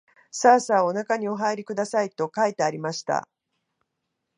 さあさあおなかにおはいりください、と書いてありました